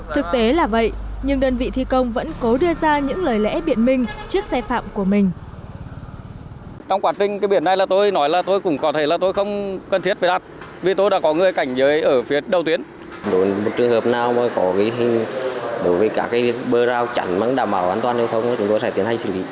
thực tế là vậy nhưng đơn vị thi công vẫn cố đưa ra những lời lẽ biện minh trước xe phạm của mình